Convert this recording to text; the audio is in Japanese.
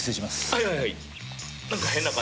はいはいはい。